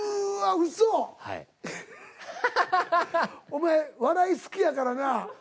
お前笑い好きやからな。